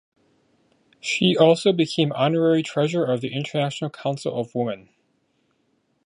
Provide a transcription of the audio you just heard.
She also became honorary treasurer of the International Council of Women.